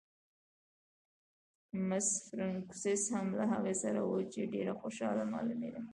مس فرګوسن هم له هغې سره وه، چې ډېره خوشحاله معلومېده.